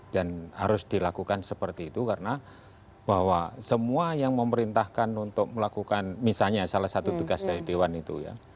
dan harus dilakukan seperti itu karena bahwa semua yang memerintahkan untuk melakukan misalnya salah satu tugas dari dewan itu ya